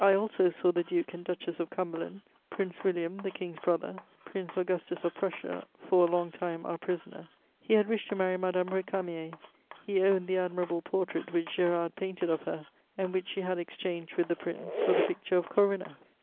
I also saw the Duke and Duchess of Cumberland, Prince William, the King's brother, Prince Augustus of Prussia, for a long time our prisoner: he had wished to marry Madame Récamier; he owned the admirable portrait which Gérard painted of her and which she had exchanged with the Prince for the picture of Corinna.